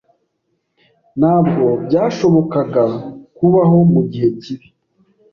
Ntabwo byashobokaga kubaho mugihe kibi.